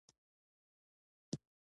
د محصول اعتبار ډېر مهم دی.